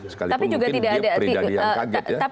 sekalipun mungkin dia perjalanan yang kaget ya